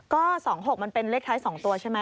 ก็๒๖มันเป็นเลขท้าย๒ตัวใช่ไหม